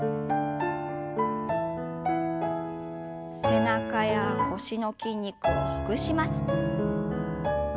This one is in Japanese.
背中や腰の筋肉をほぐします。